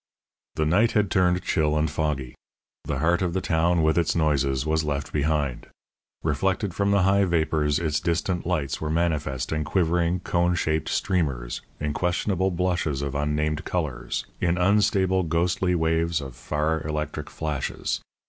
The night had turned chill and foggy. The heart of the town, with its noises, was left behind. Reflected from the high vapours, its distant lights were manifest in quivering, cone shaped streamers, in questionable blushes of unnamed colours, in unstable, ghostly waves of far, electric flashes.